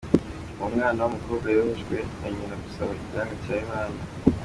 Uwo mwana w’umukobwa yohejwe na nyina gusaba igihanga cya Yohana.